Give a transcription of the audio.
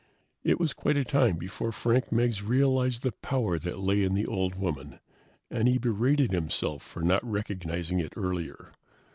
It was quite a time before Frank Meggs realized the power that lay in the old woman, and he berated himself for not recognizing it earlier.